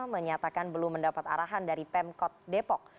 menyatakan belum mendapat arahan dari pemkot depok